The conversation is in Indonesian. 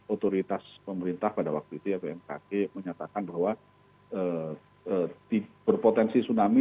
otoritas pemerintah pada waktu itu ya bmkg menyatakan bahwa berpotensi tsunami